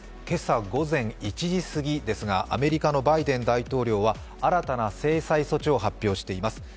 今朝午前１時過ぎですが、アメリカのバイデン大統領は新たな制裁措置を発表しています。